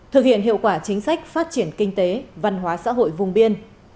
thực hiện hiệu quả chính sách phát triển kinh tế văn hóa xã hội vùng biên